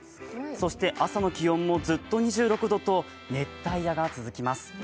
そして朝の気温もずっと２６度と熱帯夜が続きます。